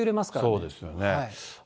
そうですよね。